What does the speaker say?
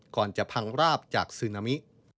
ก่อนจะพังราบจากซึนามิ